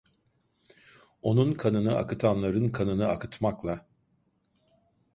Onun kanını akıtanların kanını akıtmakla…